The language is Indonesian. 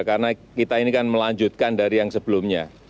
karena kita ini kan melanjutkan dari yang sebelumnya